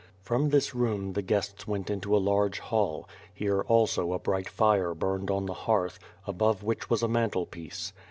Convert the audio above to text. From this room the guests went into a large hall; here also a bright fire burned on the hearth, above which was a mantel piece.